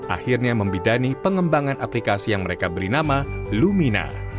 akhirnya membidani pengembangan aplikasi yang mereka beri nama lumina